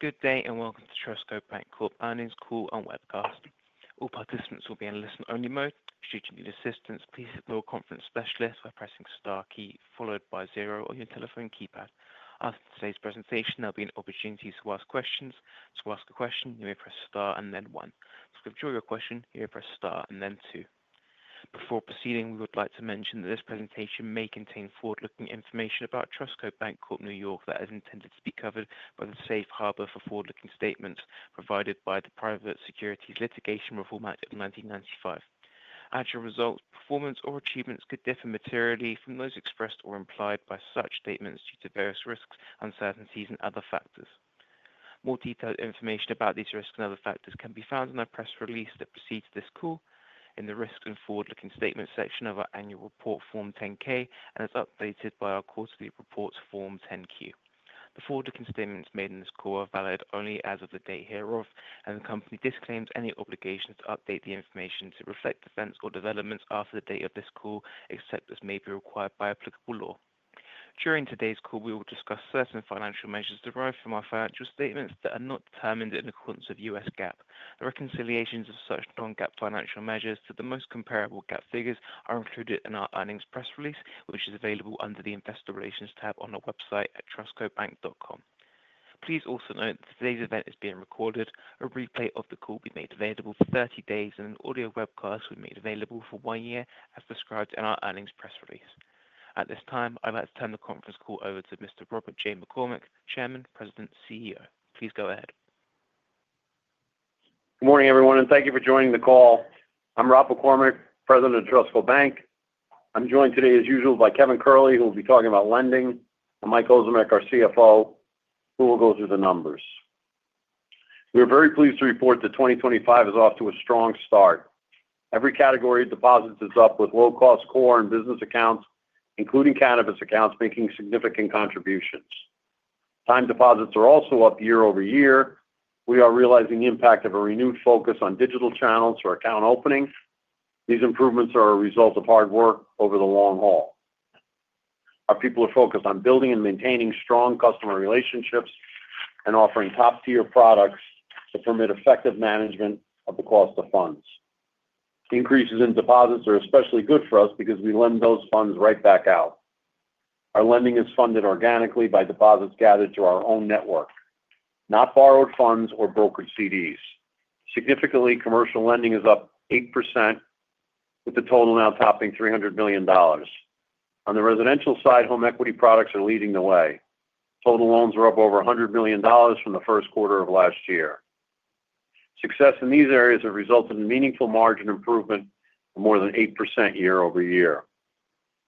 Good day and welcome to TrustCo Bank Corp NY Earnings Call and Webcast. All participants will be in listen-only mode. Should you need assistance, please call the conference specialist by pressing the star key followed by zero on your telephone keypad. After today's presentation, there will be an opportunity to ask questions. To ask a question, you may press star and then one. To withdraw your question, you may press star and then two. Before proceeding, we would like to mention that this presentation may contain forward-looking information about TrustCo Bank Corp NY that is intended to be covered by the safe harbor for forward-looking statements provided by the Private Securities Litigation Reform Act of 1995. As a result, performance or achievements could differ materially from those expressed or implied by such statements due to various risks, uncertainties, and other factors. More detailed information about these risks and other factors can be found in the press release that precedes this call in the Risks and Forward-Looking Statements section of our annual report, Form 10-K, and is updated by our quarterly reports, Form 10-Q. The forward-looking statements made in this call are valid only as of the day hereof, and the company disclaims any obligations to update the information to reflect events or developments after the date of this call, except as may be required by applicable law. During today's call, we will discuss certain financial measures derived from our financial statements that are not determined in accordance with U.S. GAAP. The reconciliations of such non-GAAP financial measures to the most comparable GAAP figures are included in our earnings press release, which is available under the Investor Relations tab on our website at trustcobank.com. Please also note that today's event is being recorded. A replay of the call will be made available for 30 days, and an audio webcast will be made available for one year, as described in our earnings press release. At this time, I'd like to turn the conference call over to Mr. Robert J. McCormick, Chairman, President, CEO. Please go ahead. Good morning, everyone, and thank you for joining the call. I'm Robert J. McCormick, President of TrustCo Bank. I'm joined today, as usual, by Kevin Curley, who will be talking about lending, and Mike Ozimek, our CFO, who will go through the numbers. We are very pleased to report that 2025 is off to a strong start. Every category of deposits is up, with low-cost core and business accounts, including cannabis accounts, making significant contributions. Time deposits are also up year-over-year. We are realizing the impact of a renewed focus on digital channels for account opening. These improvements are a result of hard work over the long haul. Our people are focused on building and maintaining strong customer relationships and offering top-tier products to permit effective management of the cost of funds. Increases in deposits are especially good for us because we lend those funds right back out. Our lending is funded organically by deposits gathered through our own network, not borrowed funds or brokered CDs. Significantly, commercial lending is up 8%, with the total now topping $300 million. On the residential side, home equity products are leading the way. Total loans are up over $100 million from the first quarter of last year. Success in these areas has resulted in meaningful margin improvement of more than 8% year-over-year.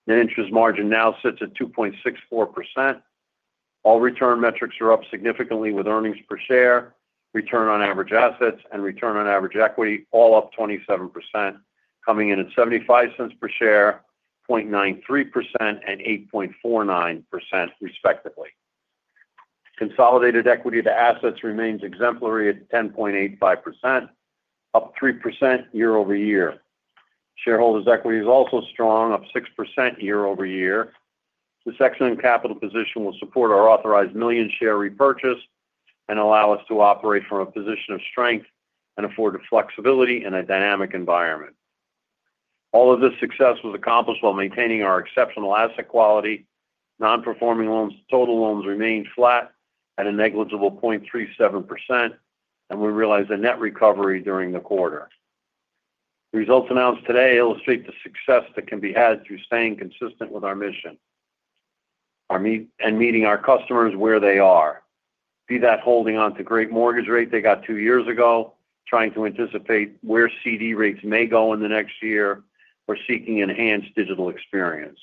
Net interest margin now sits at 2.64%. All return metrics are up significantly, with earnings per share, return on average assets, and return on average equity all up 27%, coming in at $0.75 per share, 0.93%, and 8.49%, respectively. Consolidated equity to assets remains exemplary at 10.85%, up 3% year-over-year. Shareholders' equity is also strong, up 6% year-over-year. The section and capital position will support our authorized million-share repurchase and allow us to operate from a position of strength and afforded flexibility in a dynamic environment. All of this success was accomplished while maintaining our exceptional asset quality. Non-performing loans to total loans remained flat at a negligible 0.37%, and we realized a net recovery during the quarter. The results announced today illustrate the success that can be had through staying consistent with our mission and meeting our customers where they are. Be that holding on to great mortgage rates they got two years ago, trying to anticipate where CD rates may go in the next year, or seeking enhanced digital experience.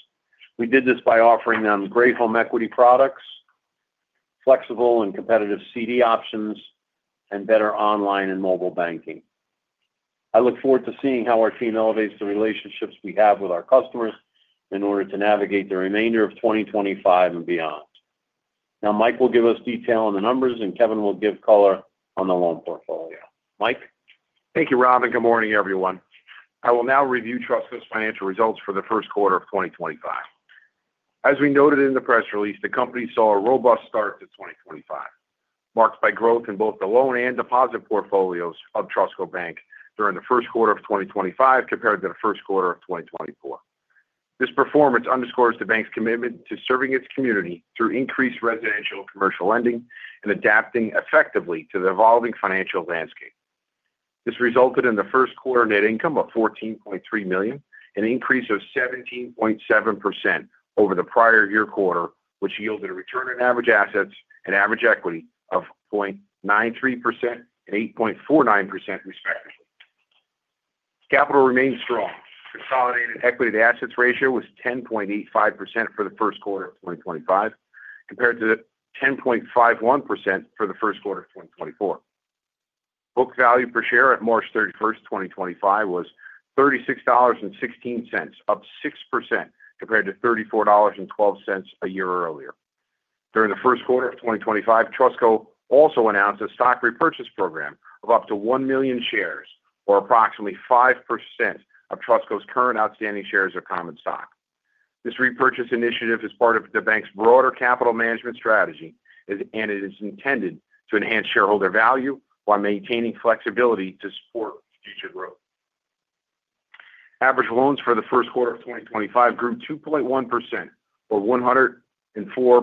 We did this by offering them great home equity products, flexible and competitive CD options, and better online and mobile banking. I look forward to seeing how our team elevates the relationships we have with our customers in order to navigate the remainder of 2025 and beyond. Now, Mike will give us detail on the numbers, and Kevin will give color on the loan portfolio. Mike. Thank you, Rob, and good morning, everyone. I will now review TrustCo's financial results for the first quarter of 2025. As we noted in the press release, the company saw a robust start to 2025, marked by growth in both the loan and deposit portfolios of TrustCo Bank during the first quarter of 2025 compared to the first quarter of 2024. This performance underscores the bank's commitment to serving its community through increased residential and commercial lending and adapting effectively to the evolving financial landscape. This resulted in the first quarter net income of $14.3 million, an increase of 17.7% over the prior year quarter, which yielded a return on average assets and average equity of 0.93% and 8.49%, respectively. Capital remained strong. Consolidated equity to assets ratio was 10.85% for the first quarter of 2025 compared to 10.51% for the first quarter of 2024. Book value per share at March 31st, 2025, was $36.16, up 6% compared to $34.12 a year earlier. During the first quarter of 2025, TrustCo also announced a stock repurchase program of up to 1 million shares, or approximately 5% of TrustCo's current outstanding shares of common stock. This repurchase initiative is part of the bank's broader capital management strategy, and it is intended to enhance shareholder value while maintaining flexibility to support future growth. Average loans for the first quarter of 2025 grew 2.1%, or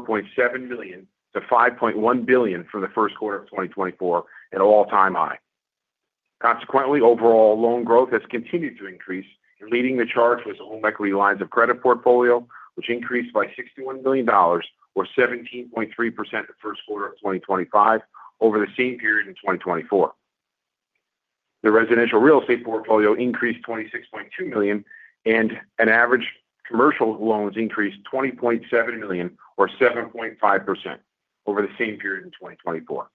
$104.7 million, to $5.1 billion for the first quarter of 2024, at an all-time high. Consequently, overall loan growth has continued to increase, leading the charge with the home equity lines of credit portfolio, which increased by $61 million, or 17.3%, the first quarter of 2025, over the same period in 2024. The residential real estate portfolio increased $26.2 million, and average commercial loans increased $20.7 million, or 7.5%, over the same period in 2024.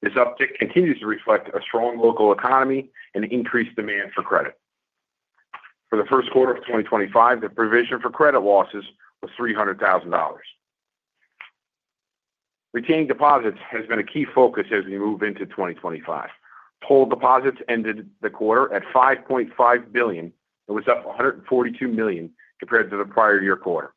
This uptick continues to reflect a strong local economy and increased demand for credit. For the first quarter of 2025, the provision for credit losses was $300,000. Retained deposits has been a key focus as we move into 2025. Whole deposits ended the quarter at $5.5 billion. It was up $142 million compared to the prior year quarter.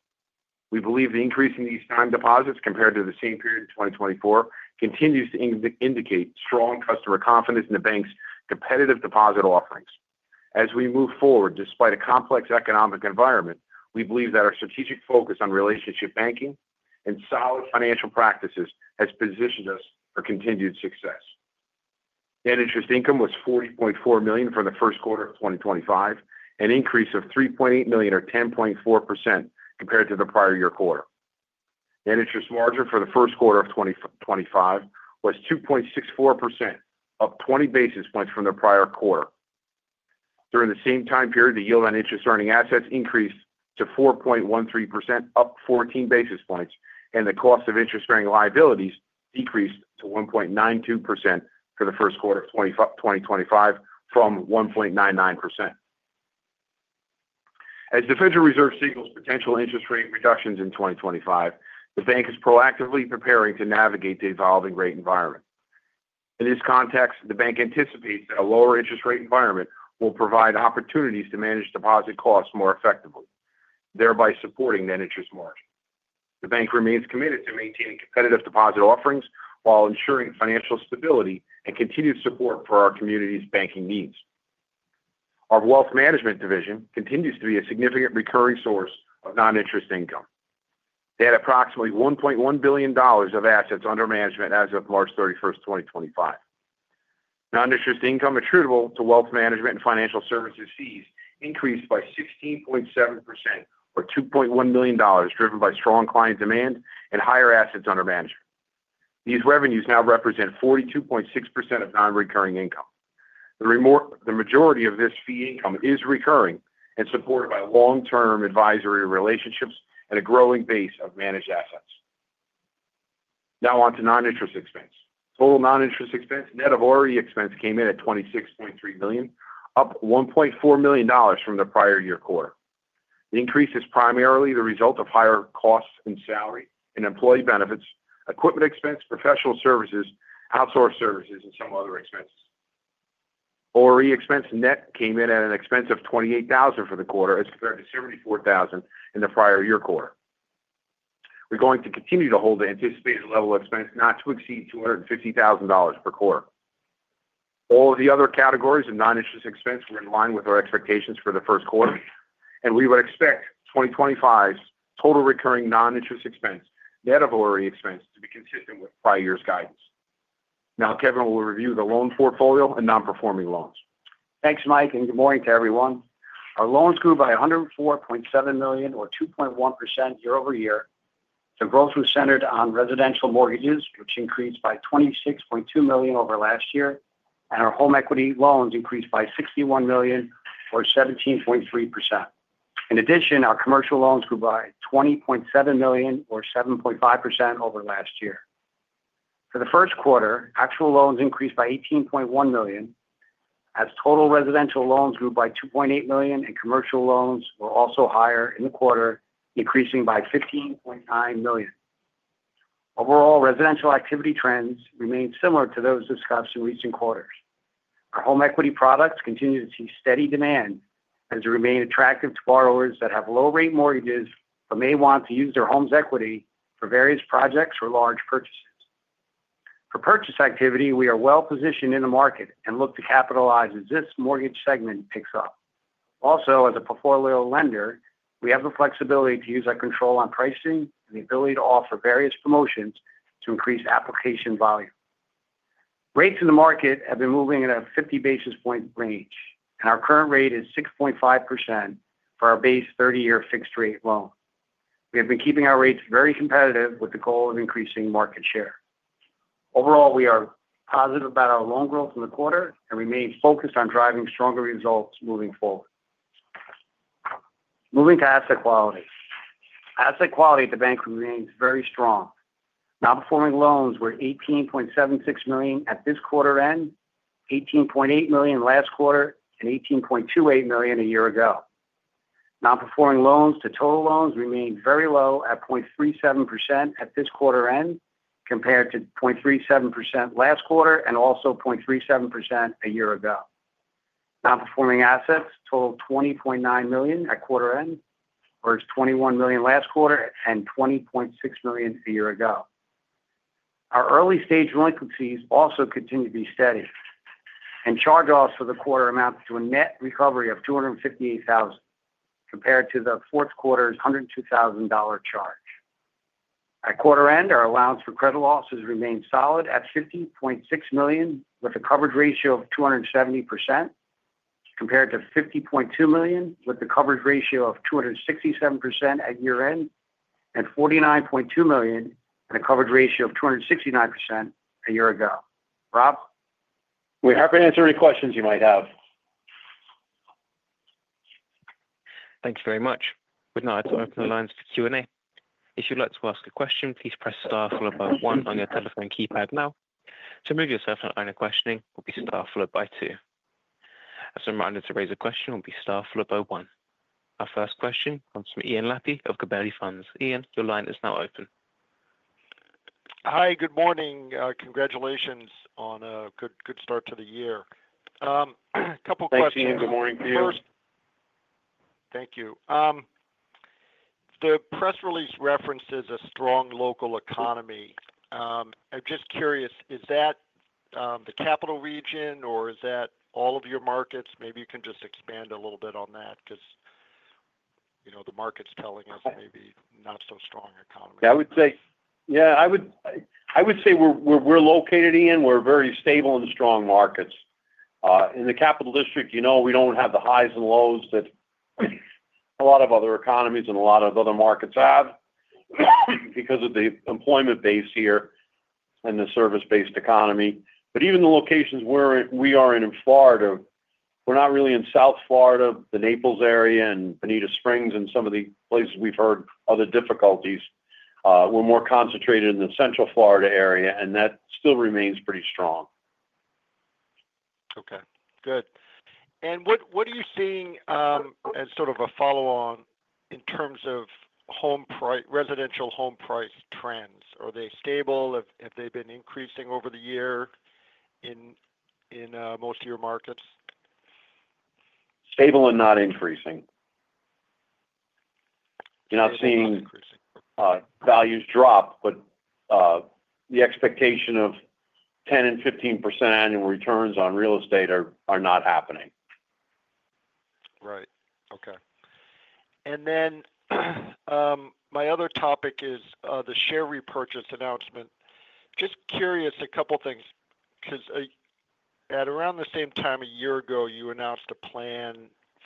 We believe the increase in these time deposits compared to the same period in 2024 continues to indicate strong customer confidence in the bank's competitive deposit offerings. As we move forward, despite a complex economic environment, we believe that our strategic focus on relationship banking and solid financial practices has positioned us for continued success. Net interest income was $40.4 million for the first quarter of 2025, an increase of $3.8 million, or 10.4%, compared to the prior year quarter. Net interest margin for the first quarter of 2025 was 2.64%, up 20 basis points from the prior quarter. During the same time period, the yield on interest-earning assets increased to 4.13%, up 14 basis points, and the cost of interest-bearing liabilities decreased to 1.92% for the first quarter of 2025, from 1.99%. As the Federal Reserve signals potential interest rate reductions in 2025, the bank is proactively preparing to navigate the evolving rate environment. In this context, the bank anticipates that a lower interest rate environment will provide opportunities to manage deposit costs more effectively, thereby supporting net interest margin. The bank remains committed to maintaining competitive deposit offerings while ensuring financial stability and continued support for our community's banking needs. Our wealth management division continues to be a significant recurring source of non-interest income. They had approximately $1.1 billion of assets under management as of March 31st, 2025. Non-interest income attributable to wealth management and financial services fees increased by 16.7%, or $2.1 million, driven by strong client demand and higher assets under management. These revenues now represent 42.6% of non-recurring income. The majority of this fee income is recurring and supported by long-term advisory relationships and a growing base of managed assets. Now on to non-interest expense. Total non-interest expense, net of ORE expense, came in at $26.3 million, up $1.4 million from the prior year quarter. The increase is primarily the result of higher costs in salary and employee benefits, equipment expense, professional services, outsourced services, and some other expenses. ORE expense net came in at an expense of $28,000 for the quarter as compared to $74,000 in the prior year quarter. We are going to continue to hold the anticipated level of expense not to exceed $250,000 per quarter. All of the other categories of non-interest expense were in line with our expectations for the first quarter, and we would expect 2025's total recurring non-interest expense, net of ORE expense, to be consistent with prior year's guidance. Now, Kevin will review the loan portfolio and non-performing loans. Thanks, Mike, and good morning to everyone. Our loans grew by $104.7 million, or 2.1%, year-over-year. The growth was centered on residential mortgages, which increased by $26.2 million over last year, and our home equity loans increased by $61 million, or 17.3%. In addition, our commercial loans grew by $20.7 million, or 7.5%, over last year. For the first quarter, actual loans increased by $18.1 million, as total residential loans grew by $2.8 million, and commercial loans were also higher in the quarter, increasing by $15.9 million. Overall, residential activity trends remained similar to those discussed in recent quarters. Our home equity products continue to see steady demand as they remain attractive to borrowers that have low-rate mortgages but may want to use their home's equity for various projects or large purchases. For purchase activity, we are well positioned in the market and look to capitalize as this mortgage segment picks up. Also, as a portfolio lender, we have the flexibility to use our control on pricing and the ability to offer various promotions to increase application volume. Rates in the market have been moving in a 50 basis point range, and our current rate is 6.5% for our base 30-year fixed-rate loan. We have been keeping our rates very competitive with the goal of increasing market share. Overall, we are positive about our loan growth in the quarter and remain focused on driving stronger results moving forward. Moving to asset quality. Asset quality at the bank remains very strong. Non-performing loans were $18.76 million at this quarter end, $18.8 million last quarter, and $18.28 million a year ago. Non-performing loans to total loans remained very low at 0.37% at this quarter end compared to 0.37% last quarter and also 0.37% a year ago. Non-performing assets totaled $20.9 million at quarter end, whereas $21 million last quarter and $20.6 million a year ago. Our early-stage liquidities also continue to be steady, and charge-offs for the quarter amount to a net recovery of $258,000 compared to the fourth quarter's $102,000 charge. At quarter end, our allowance for credit losses remained solid at $50.6 million, with a coverage ratio of 270%, compared to $50.2 million with a coverage ratio of 267% at year-end and $49.2 million and a coverage ratio of 269% a year ago. Rob? We hope to answer any questions you might have. Thanks very much. We've now opened the lines for Q&A. If you'd like to ask a question, please press star followed by one on your telephone keypad now. To move yourself to the line of questioning will be star followed by two. As a reminder to raise a question will be star followed by one. Our first question comes from Ian Lapey of Gabelli Funds. Ian, your line is now open. Hi, good morning. Congratulations on a good start to the year. A couple of questions. Thank you. Good morning to you. First. Thank you. The press release references a strong local economy. I'm just curious, is that the Capital District, or is that all of your markets? Maybe you can just expand a little bit on that because the market's telling us maybe not so strong economy. I would say, yeah, I would say we're located in, we're very stable and strong markets. In the Capital District, we don't have the highs and lows that a lot of other economies and a lot of other markets have because of the employment base here and the service-based economy. Even the locations we are in in Florida, we're not really in South Florida, the Naples area and Bonita Springs and some of the places we've heard other difficulties. We're more concentrated in the Central Florida area, and that still remains pretty strong. Okay. Good. What are you seeing as sort of a follow-on in terms of residential home price trends? Are they stable? Have they been increasing over the year in most of your markets? Stable and not increasing. You're not seeing values drop, but the expectation of 10%-15% annual returns on real estate are not happening. Right. Okay. My other topic is the share repurchase announcement. Just curious, a couple of things, because at around the same time a year ago, you announced a plan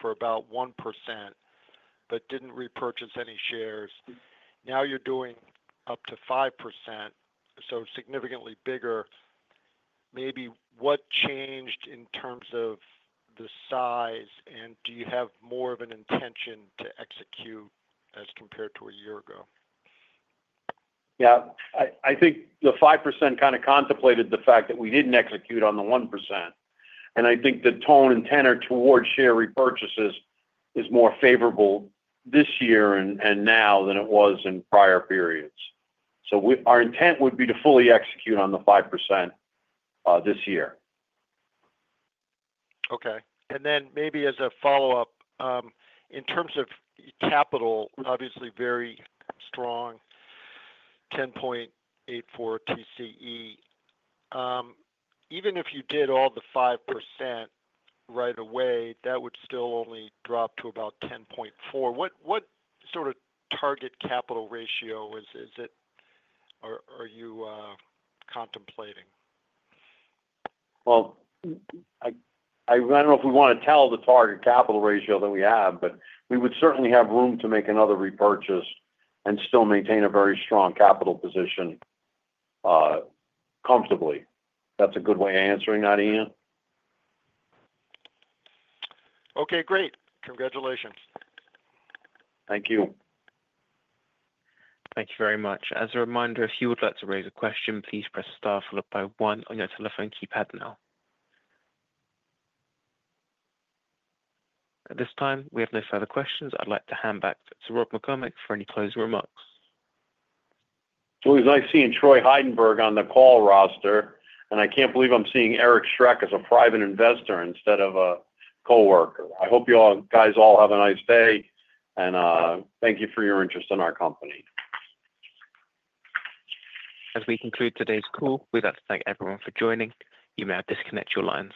for about 1% but did not repurchase any shares. Now you are doing up to 5%, so significantly bigger. Maybe what changed in terms of the size, and do you have more of an intention to execute as compared to a year ago? Yeah. I think the 5% kind of contemplated the fact that we did not execute on the 1%. I think the tone and tenor towards share repurchases is more favorable this year and now than it was in prior periods. Our intent would be to fully execute on the 5% this year. Okay. Maybe as a follow-up, in terms of capital, obviously very strong, 10.84% TCE. Even if you did all the 5% right away, that would still only drop to about 10.4%. What sort of target capital ratio is it? Are you contemplating? I do not know if we want to tell the target capital ratio that we have, but we would certainly have room to make another repurchase and still maintain a very strong capital position comfortably. That is a good way of answering that, Ian. Okay. Great. Congratulations. Thank you. Thank you very much. As a reminder, if you would like to raise a question, please press star followed by one on your telephone keypad now. At this time, we have no further questions. I'd like to hand back to Robert J. McCormick for any closing remarks. As I see Troy Heidenberg on the call roster, and I can't believe I'm seeing Eric Schreck as a private investor instead of a coworker. I hope you all guys all have a nice day, and thank you for your interest in our company. As we conclude today's call, we'd like to thank everyone for joining. You may now disconnect your lines.